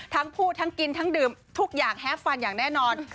ทั้งพูดทั้งกินทั้งดื่มทุกอย่างแฮปฟันอย่างแน่นอน